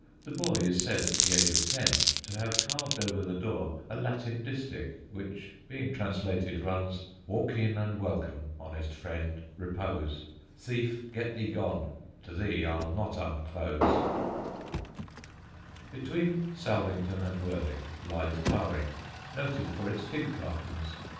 The boy is said at the age of ten to have carved over the door a Latin distich, which, being translated, runs: Walk in and welcome, honest friend; repose. Thief, get thee gone! to thee I'll not unclose. [Sidenote: SAINT THOMAS'S FIGS] Between Salvington and Worthing lies Tarring, noted for its fig gardens.